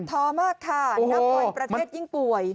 ท้อมากค่ะนับบ่อยประเทศยิ่งป่วย